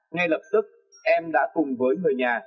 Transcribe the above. ngay lập tức em đã cùng với người nhà